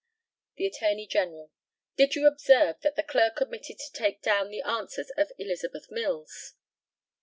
The ATTORNEY GENERAL: Did you observe that the clerk omitted to take down the answers of Elizabeth Mills?